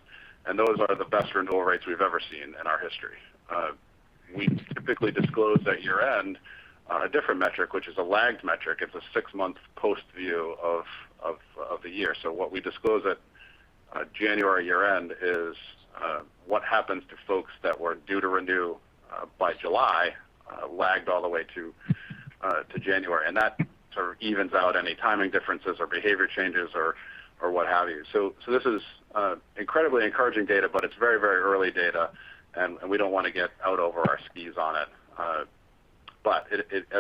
Those are the best renewal rates we've ever seen in our history. We typically disclose at year-end on a different metric, which is a lagged metric. It's a six-month post view of the year. What we disclose at January year-end is what happens to folks that were due to renew by July, lagged all the way to January. That sort of evens out any timing differences or behavior changes or what have you. This is incredibly encouraging data, but it's very early data, and we don't want to get out over our skis on it. As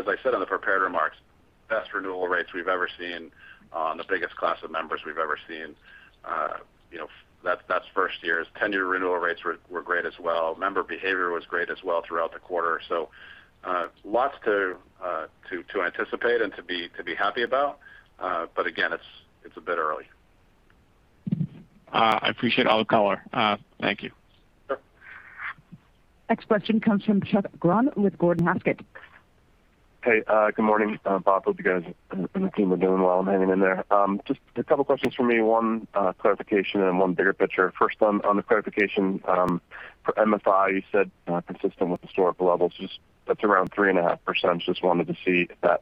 I said on the prepared remarks, best renewal rates we've ever seen on the biggest class of members we've ever seen. That's first year. 10-year renewal rates were great as well. Member behavior was great as well throughout the quarter. Lots to anticipate and to be happy about. Again, it's a bit early. I appreciate all the color. Thank you. Sure. Next question comes from Chuck Grom with Gordon Haskett. Hey, good morning, Bob. Hope you guys and the team are doing well and hanging in there. Just a couple of questions from me. One clarification and one bigger picture. First one on the clarification. For MFI, you said consistent with historical levels. That's around 3.5%. Just wanted to see if that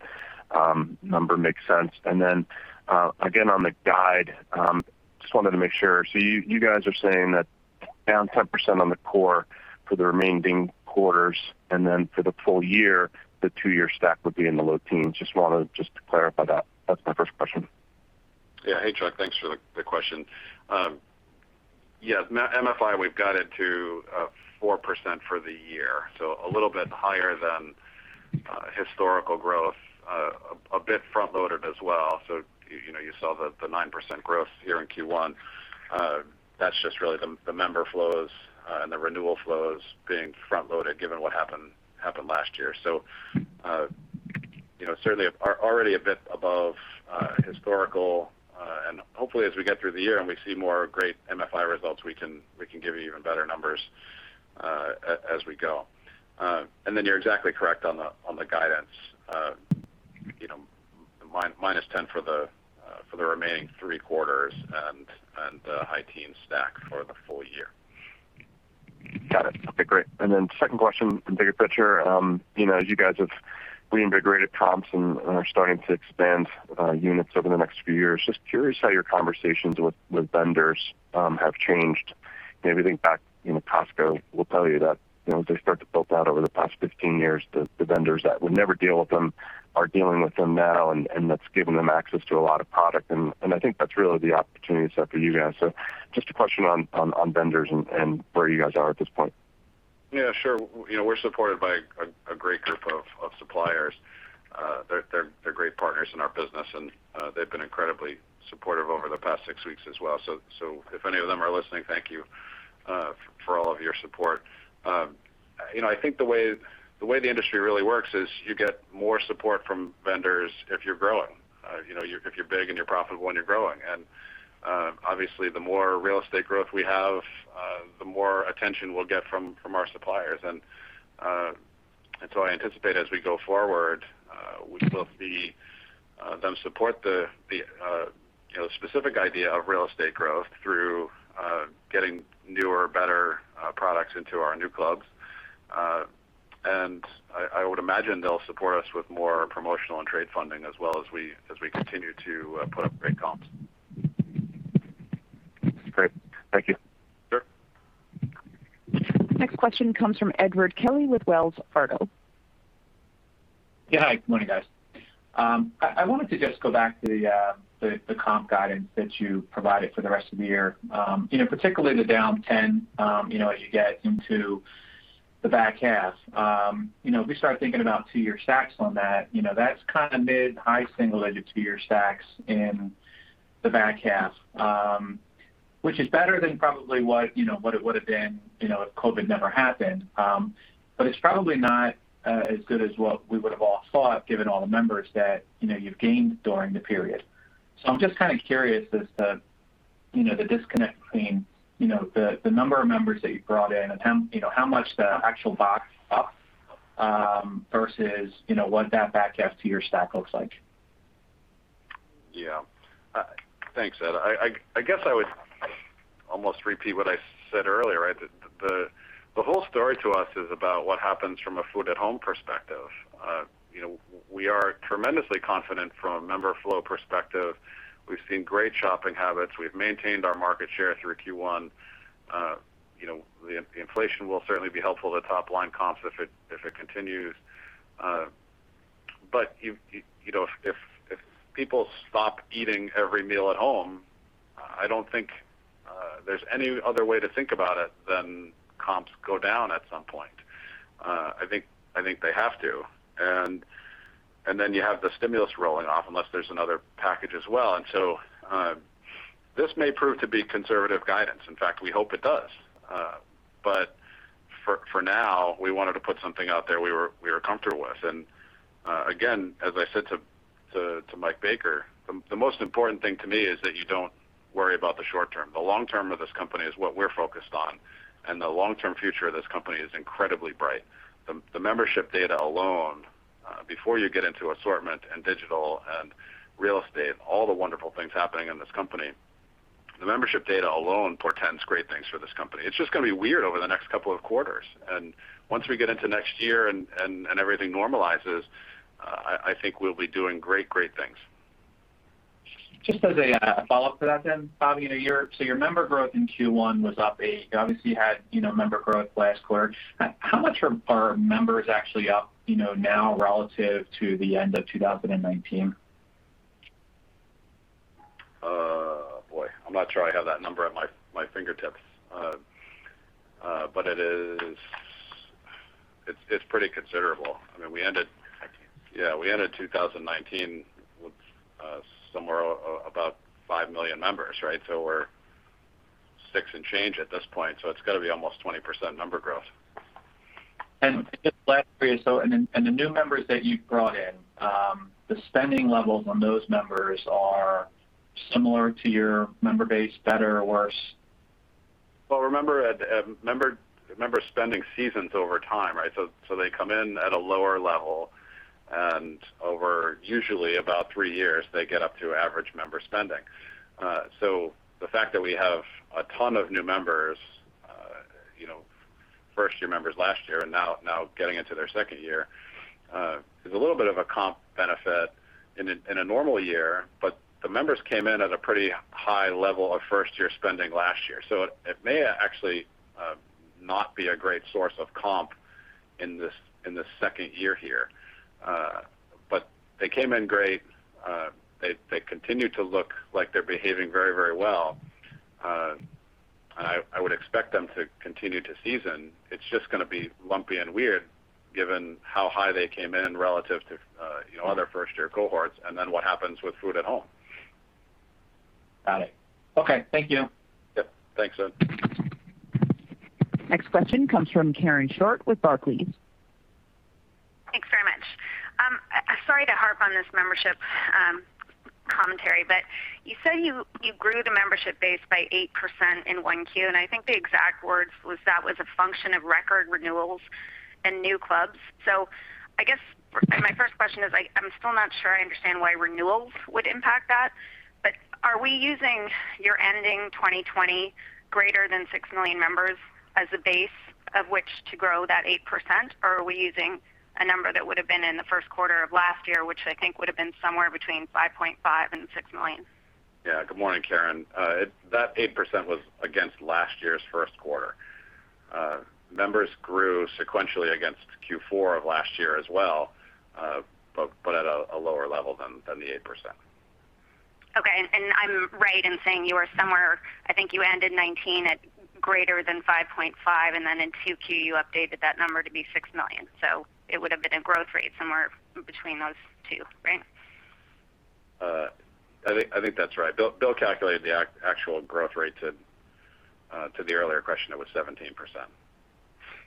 number makes sense. Then again, on the guide, just wanted to make sure. You guys are saying that down 10% on the core for the remaining quarters, and then for the full year, the two-year stack would be in the low teens. Just wanted to clarify that. That's my first question. Hey, Chuck Grom. Thanks for the question. MFI, we've guided to 4% for the year, a little bit higher than historical growth. A bit front-loaded as well. You saw the 9% growth here in Q1. That's just really the member flows and the renewal flows being front-loaded given what happened last year. Certainly already a bit above historical. Hopefully, as we get through the year and we see more great MFI results, we can give you even better numbers as we go. You're exactly correct on the guidance. -10 for the remaining three quarters and the high teens stack for the full year. Got it. Okay, great. Second question and bigger picture. As you guys have reinvigorated comps and are starting to expand units over the next few years, just curious how your conversations with vendors have changed. If you think back, Costco will tell you that as they start to build out over the past 15 years, the vendors that would never deal with them are dealing with them now, and that's given them access to a lot of product. I think that's really the opportunities set for you guys. Just a question on vendors and where you guys are at this point. Yeah, sure. We're supported by a great group of suppliers. They're great partners in our business, and they've been incredibly supportive over the past six weeks as well. If any of them are listening, thank you for all of your support. I think the way the industry really works is you get more support from vendors if you're growing, if you're big and you're profitable, and you're growing. Obviously the more real estate growth we have, the more attention we'll get from our suppliers. I anticipate as we go forward, we will see them support the specific idea of real estate growth through getting newer, better products into our new clubs. I would imagine they'll support us with more promotional and trade funding as well as we continue to put up great comps. Great. Thank you. Next question comes from Edward Kelly with Wells Fargo. Yeah. Hi, good morning, guys. I wanted to just go back to the comp guidance that you provided for the rest of the year. Particularly the down 10% as you get into the back half. If we start thinking about two year stacks on that's mid, high single digit two year stacks in the back half. Which is better than probably what it would have been if COVID never happened. It's probably not as good as what we would've all thought, given all the members that you've gained during the period. I'm just curious as to the disconnect between the number of members that you brought in and how much the actual box comp versus what that back half two year stack looks like. Thanks, Ed. I guess I would almost repeat what I said earlier, right? The whole story to us is about what happens from a food at home perspective. We are tremendously confident from a member flow perspective. We've seen great shopping habits. We've maintained our market share through Q1. The inflation will certainly be helpful to top line comps if it continues. If people stop eating every meal at home, I don't think there's any other way to think about it than comps go down at some point. I think they have to. Then you have the stimulus rolling off, unless there's another package as well. So, this may prove to be conservative guidance. In fact, we hope it does. For now, we wanted to put something out there we were comfortable with. Again, as I said to Michael Baker, the most important thing to me is that you don't worry about the short term. The long term of this company is what we're focused on, and the long term future of this company is incredibly bright. The membership data alone, before you get into assortment and digital and real estate, all the wonderful things happening in this company, the membership data alone portends great things for this company. It's just going to be weird over the next couple of quarters. Once we get into next year and everything normalizes, I think we'll be doing great things. Just as a follow up to that, Bob. Your member growth in Q1 was up eight. You obviously had member growth last quarter. How much are members actually up now relative to the end of 2019? Boy, I'm not sure I have that number at my fingertips. It's pretty considerable. We ended 2019 with somewhere about 5 million members, right? We're six and change at this point, so it's got to be almost 20% member growth. The new members that you've brought in, the spending levels on those members are similar to your member base, better, or worse? Well, remember Edward, member spending seasons over time, right? They come in at a lower level and over usually about three years, they get up to average member spending. The fact that we have a ton of new members, first year members last year are now getting into their second year, is a little bit of a comp benefit in a normal year. The members came in at a pretty high level of first year spending last year. It may actually not be a great source of comp in the second year here. They came in great. They continue to look like they're behaving very well. I would expect them to continue to season. It's just going to be lumpy and weird given how high they came in relative to other first year cohorts, and then what happens with food at home. Got it. Okay, thank you. Yep. Thanks, Ed. Next question comes from Karen Short with Barclays. Thanks very much. Sorry to harp on this membership commentary, but you said you grew the membership base by 8% in 1Q, and I think the exact words was that was a function of record renewals and new clubs. I guess my first question is, I'm still not sure I understand why renewals would impact that, but are we using your ending 2020 greater than 6 million members as a base of which to grow that 8%? Are we using a number that would've been in the first quarter of last year, which I think would've been somewhere between 5.5 million and 6 million? Yeah. Good morning, Karen. That 8% was against last year's first quarter. Members grew sequentially against Q4 of last year as well, but at a lower level than the 8%. Okay. I'm right in saying you are somewhere, I think you ended 2019 at greater than 5.5, then in 2Q, you updated that number to be 6 million. It would've been a growth rate somewhere between those two, right? I think that's right. Bill calculated the actual growth rate to the earlier question. It was 17%.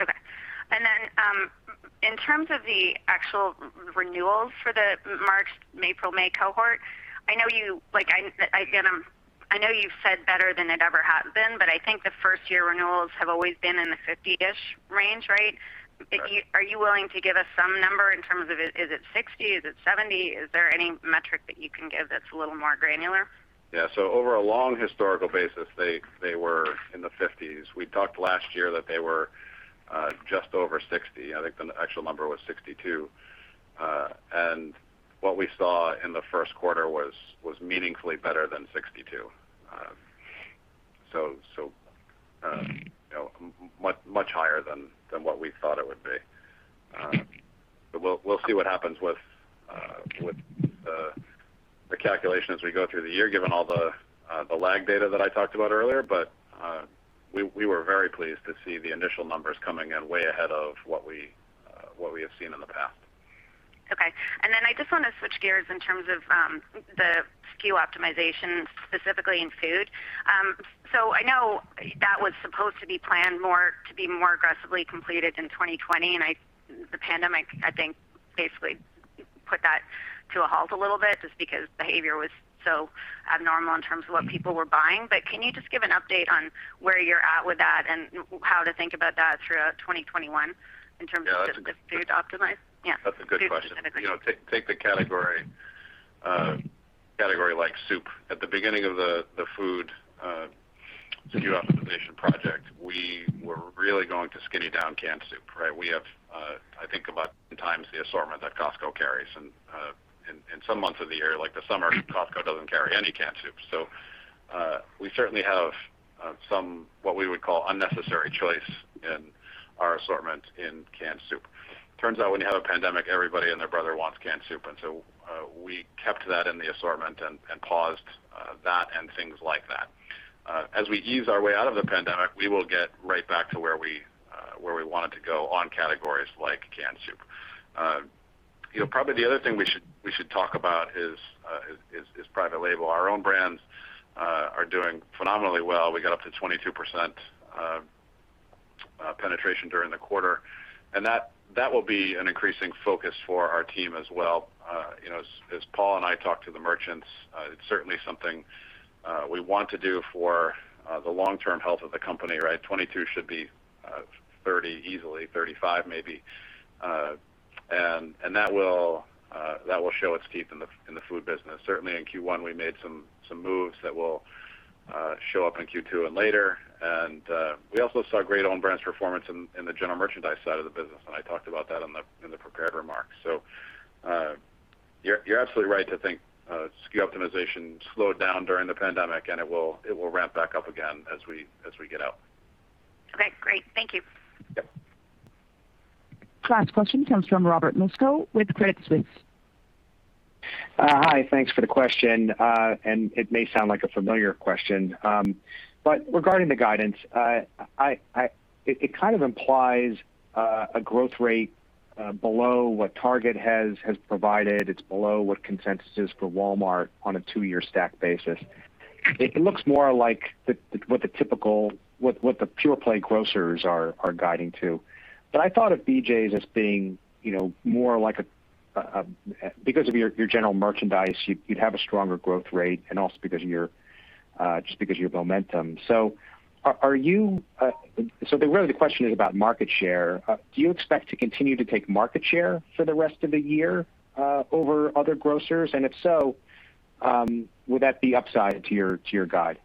Okay. In terms of the actual renewals for the March, April, May cohort, I know you've said better than it ever has been, but I think the first-year renewals have always been in the 50-ish range, right? Right. Are you willing to give us some number in terms of, is it 60? Is it 70? Is there any metric that you can give that's a little more granular? Yeah. Over a long historical basis, they were in the 50s. We talked last year that they were just over 60. I think the actual number was 62. What we saw in the first quarter was meaningfully better than 62. Much higher than what we thought it would be. We'll see what happens with the calculation as we go through the year, given all the lag data that I talked about earlier. We were very pleased to see the initial numbers coming in way ahead of what we have seen in the past. Okay. I just want to switch gears in terms of the SKU optimization, specifically in food. I know that was supposed to be planned to be more aggressively completed in 2020, and the pandemic, I think, basically put that to a halt a little bit just because behavior was so abnormal in terms of what people were buying. Can you just give an update on where you're at with that and how to think about that throughout 2021 in terms of. Yeah. just the food optimize? Yeah. That's a good question. Take a category like soup. At the beginning of the food SKU optimization project, we were really going to skinny down canned soup. We have, I think about 10x the assortment that Costco carries. In some months of the year, like the summer, Costco doesn't carry any canned soup. We certainly have some, what we would call unnecessary choice in our assortment in canned soup. Turns out when you have a pandemic, everybody and their brother wants canned soup. We kept that in the assortment and paused that and things like that. As we ease our way out of the pandemic, we will get right back to where we wanted to go on categories like canned soup. Probably the other thing we should talk about is private label. Our own brands are doing phenomenally well. We got up to 22% penetration during the quarter. That will be an increasing focus for our team as well. As Paul and I talk to the merchants, it's certainly something we want to do for the long-term health of the company. 22% should be 30% easily, 35% maybe. That will show its teeth in the food business. Certainly, in Q1, we made some moves that will show up in Q2 and later. We also saw great own brands performance in the general merchandise side of the business, and I talked about that in the prepared remarks. You're absolutely right to think SKU optimization slowed down during the pandemic, and it will ramp back up again as we get out. Okay, great. Thank you. Yep. Last question comes from Robert Moskow with Credit Suisse. Hi, thanks for the question. It may sound like a familiar question. Regarding the guidance, it kind of implies a growth rate below what Target has provided. It's below what consensus is for Walmart on a two-year stack basis. It looks more like what the pure-play grocers are guiding to. I thought of BJ's as being more like Because of your general merchandise, you'd have a stronger growth rate and also just because your momentum. Really, the question is about market share. Do you expect to continue to take market share for the rest of the year over other grocers? If so, would that be upside to your guide?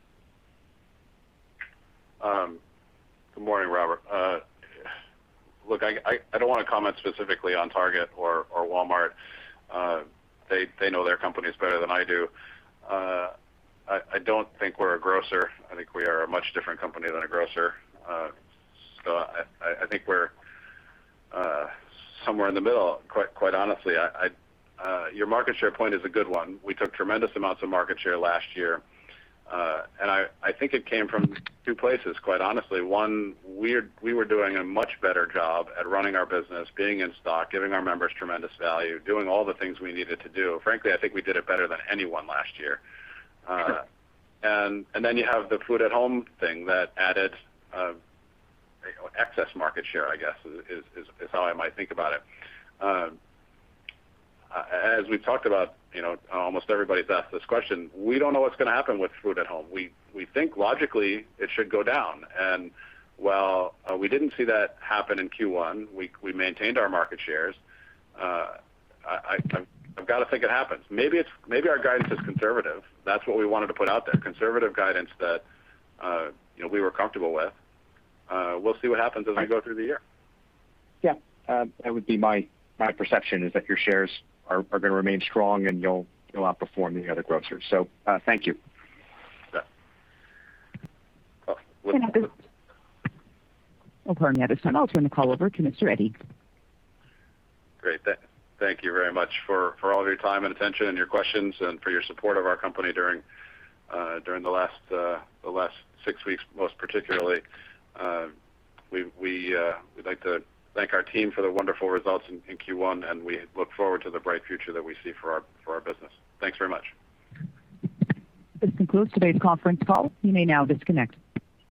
Good morning, Robert. Look, I don't want to comment specifically on Target or Walmart. They know their companies better than I do. I don't think we're a grocer. I think we are a much different company than a grocer. I think we're somewhere in the middle, quite honestly. Your market share point is a good one. We took tremendous amounts of market share last year. I think it came from two places, quite honestly. One, we were doing a much better job at running our business, being in stock, giving our members tremendous value, doing all the things we needed to do. Frankly, I think we did it better than anyone last year. Sure. You have the food at home thing that added excess market share, I guess, is how I might think about it. As we've talked about, almost everybody's asked this question. We don't know what's going to happen with food at home. We think logically it should go down, and while we didn't see that happen in Q1, we maintained our market shares. I've got to think it happens. Maybe our guidance is conservative. That's what we wanted to put out there, conservative guidance that we were comfortable with. We'll see what happens as we go through the year. Yeah. That would be my perception is that your shares are going to remain strong, and you'll outperform the other grocers. Thank you. Yeah. Pardon me one second. I'll turn the call over to Mr. Eddy. Great. Thank you very much for all of your time and attention and your questions and for your support of our company during the last six weeks, most particularly. We'd like to thank our team for the wonderful results in Q1, and we look forward to the bright future that we see for our business. Thanks very much. This concludes today's conference call. You may now disconnect.